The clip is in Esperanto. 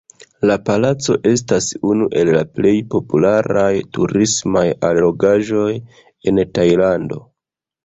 La palaco estas unu el la plej popularaj turismaj allogaĵoj en Tajlando.